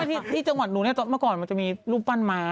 คือเหมือนที่จังหวัดหนูเนี่ยตอนเมื่อก่อนจะมีลูกปั้นมา